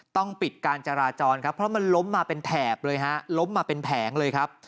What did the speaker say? ต้องปิดการจราจรเพราะมันล้มมาเป็นแผงเลยครับ